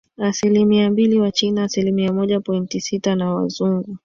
Asilimia mbili Wachina asilimia moja pointi sitana Wazungu